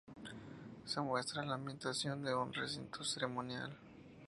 Se muestra la ambientación de un recinto ceremonial.